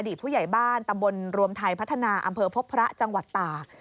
ผู้ใหญ่บ้านตำบลรวมไทยพัฒนาอำเภอพบพระจังหวัดตาก